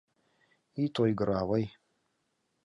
— Ит ойгыро, авый.